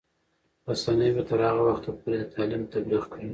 رسنۍ به تر هغه وخته پورې د تعلیم تبلیغ کوي.